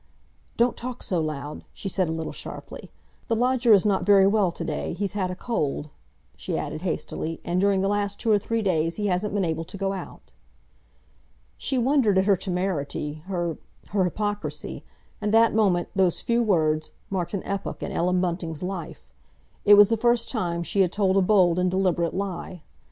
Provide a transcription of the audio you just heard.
"Don't talk so loud," she said a little sharply. "The lodger is not very well to day. He's had a cold," she added hastily, "and during the last two or three days he hasn't been able to go out." She wondered at her temerity, her—her hypocrisy, and that moment, those few words, marked an epoch in Ellen Bunting's life. It was the first time she had told a bold and deliberate lie.